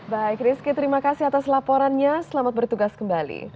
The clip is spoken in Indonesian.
baik rizky terima kasih atas laporannya selamat bertugas kembali